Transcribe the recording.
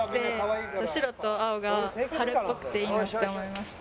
白と青が春っぽくていいなって思いました。